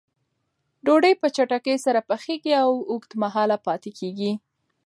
ډوډۍ په چټکۍ سره پخیږي او اوږد مهاله پاتې کېږي.